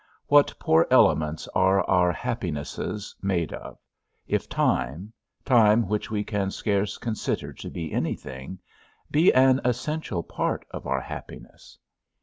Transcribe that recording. What poor elements are our happinesses made of, if time, time which we can scarce consider to be any thing, be an essential part of our happiness!